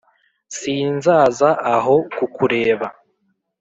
sinzaza aho kukureba